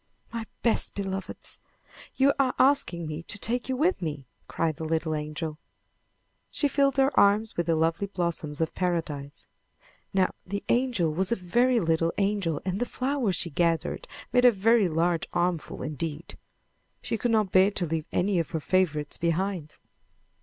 "My best beloveds! You are asking me to take you with me!" cried the little angel. She filled her arms with the lovely blossoms of Paradise. Now the angel was a very little angel and the flowers she gathered made a very large armful indeed. She could not bear to leave any of her favorites behind.